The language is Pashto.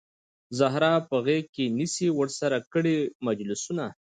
زهره په غیږ کې نیسي ورسره کړي مجلسونه